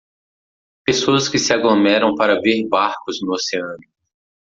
Pessoas que se aglomeram para ver barcos no oceano.